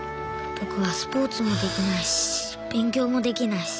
ぼくはスポーツもできないしべん強もできないし。